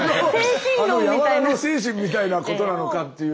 柔の精神みたいなことなのかっていう。